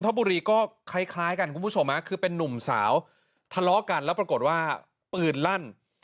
บุรีก็คล้ายกันคุณผู้ชมคือเป็นนุ่มสาวทะเลาะกันแล้วปรากฏว่าปืนลั่น